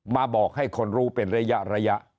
มาบอกให้คนรู้เป็นระยะ